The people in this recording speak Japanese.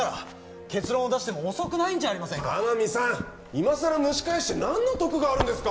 いまさら蒸し返して何の得があるんですか